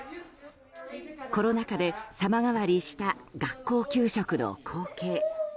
コロナ禍で様変わりした学校給食の光景。